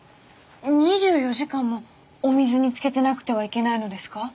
２４時間もお水につけてなくてはいけないのですか？